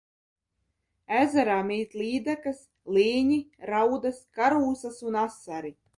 Ezerā mīt līdakas, līņi, raudas, karūsas un asari.